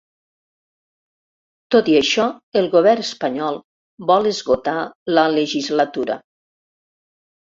Tot i això, el govern espanyol vol esgotar la legislatura.